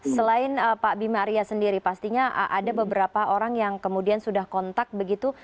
selain pak bima arya sendiri pastinya ada beberapa orang yang kemudian sudah kontak begitu